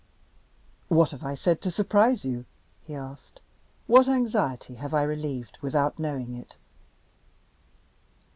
"What have I said to surprise you?" he asked. "What anxiety have I relieved, without knowing it?"